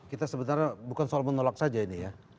kita sebenarnya bukan soal menolak saja ini ya